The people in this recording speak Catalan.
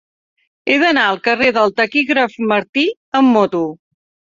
He d'anar al carrer del Taquígraf Martí amb moto.